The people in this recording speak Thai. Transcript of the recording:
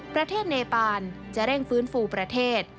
ประเทศเนปานจะเร่งฟื้นฟูประเทศ